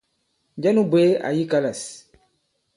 Njɛ nu bwě àyì kalâs ?